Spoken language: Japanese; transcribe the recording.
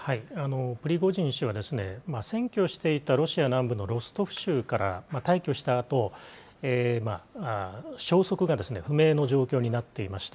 プリゴジン氏は占拠していたロシア南部のロストフ州から退去したあと、消息が不明の状況になっていました。